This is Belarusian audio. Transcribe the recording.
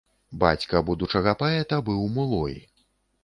Бацька будучага паэта быў мулой.